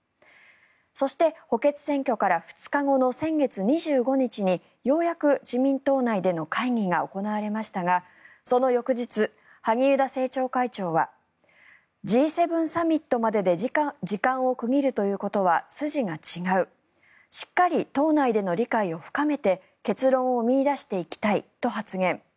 そして、補欠選挙から２日後の先月２５日にようやく自民党内での会議が行われましたがその翌日、萩生田政調会長はＧ７サミットまでで時間を区切るということは筋が違うしっかり党内での理解を深めて結論を見いだしていきたいと発言。